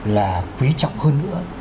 là quý trọng hơn nữa